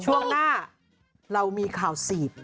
ช่วงหน้าเรามีข่าวจีบ